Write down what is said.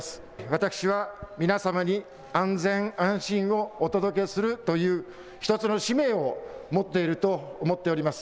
私は皆様に安全、安心をお届けするという１つの使命を持っていると思っております。